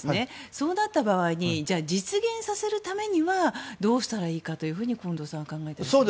そうなった場合に実現させるためにはどうしたらいいかと近藤さんはお考えですか。